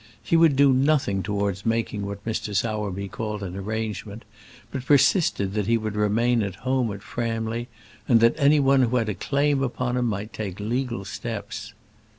He would do nothing towards making what Mr. Sowerby called an arrangement, but persisted that he would remain at home at Framley, and that any one who had a claim upon him might take legal steps.